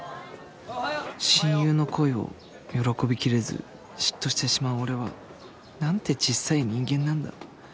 親友の恋を喜びきれず嫉妬してしまう俺は何て小っさい人間なんだ